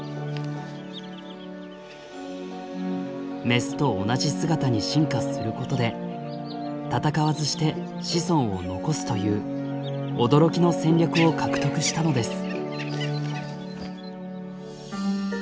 メスと同じ姿に進化することで戦わずして子孫を残すという驚きの戦略を獲得したのです。